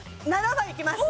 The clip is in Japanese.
７番いきます。